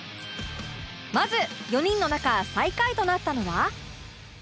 まず４人の中最下位となったのは